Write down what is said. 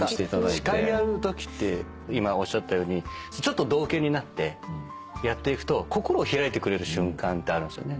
司会やるときって今おっしゃったようにちょっと道化になってやっていくと心を開いてくれる瞬間ってあるんですよね。